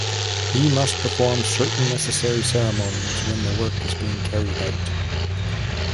He must perform certain necessary ceremonies when the work is being carried out.